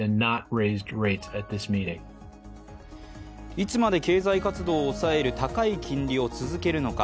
いつまで経済活動を抑える高い金利を続けるのか。